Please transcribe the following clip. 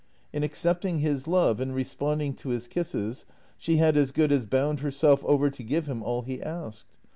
In accepting his love and responding to his kisses she had as good as bound herself over to give him all he asked.